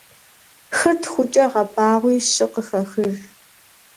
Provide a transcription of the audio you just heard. Хыр тхукӏэ гъэбагъуи щы къыхэхыж.